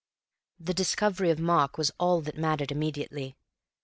The discovery of Mark was all that mattered immediately.